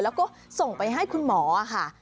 แล้วก็ส่งไปให้คุณหมอค่ะ